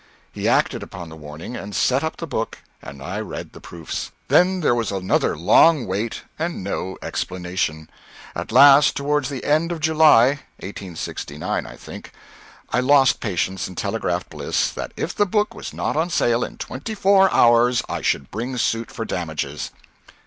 He acted upon the warning, and set up the book and I read the proofs. Then there was another long wait and no explanation. At last toward the end of July (1869, I think), I lost patience and telegraphed Bliss that if the book was not on sale in twenty four hours I should bring suit for damages.